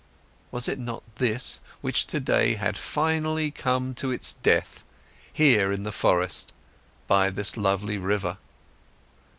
Was it not this, which today had finally come to its death, here in the forest, by this lovely river?